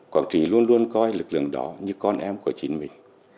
quảng trị luôn luôn coi lực lượng đó như con em của chính mình